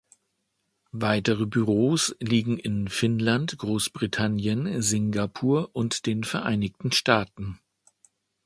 Weitere Büros liegen in Finnland, Großbritannien, Singapur und den Vereinigten Staaten.